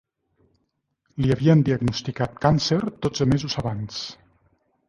Li havien diagnosticat càncer dotze mesos abans.